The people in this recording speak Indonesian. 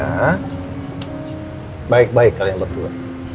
ya baik baik kalian berdua